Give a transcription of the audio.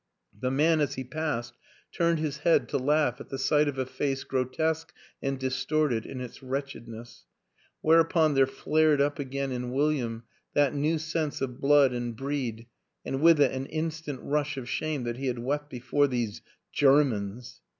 The man as he passed turned his head to laugh at the sight of a face grotesque and distorted in its wretchedness; whereupon there flared up again in William that new sense of blood and breed and with it an in stant rush of shame that he had wept before these Germans